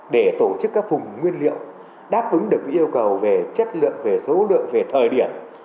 để tổ chức các vùng nguyên liệu đáp ứng được yêu cầu về chất lượng về số lượng về thời điểm